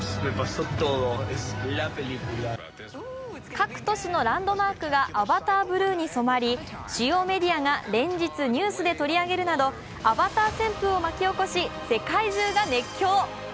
各都市のランドマークがアバターブルーに染まり、主要メディアが連日ニュースで取り上げるなど、アバター旋風を巻き起こし世界中が熱狂。